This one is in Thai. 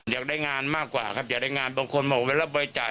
อยากได้งานมากกว่าครับอยากได้งานบางคนบอกเวลาบริจาค